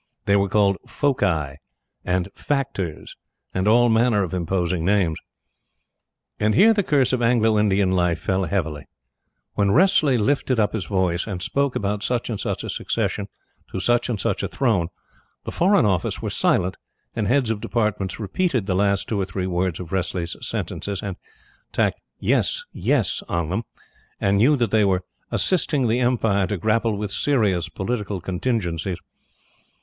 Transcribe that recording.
They were called "foci" and "factors," and all manner of imposing names. And here the curse of Anglo Indian life fell heavily. When Wressley lifted up his voice, and spoke about such and such a succession to such and such a throne, the Foreign Office were silent, and Heads of Departments repeated the last two or three words of Wressley's sentences, and tacked "yes, yes," on them, and knew that they were "assisting the Empire to grapple with serious political contingencies."